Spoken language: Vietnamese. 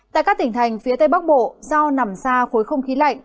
tại các tỉnh thành phía tây bắc bộ do nằm xa khối không khí lạnh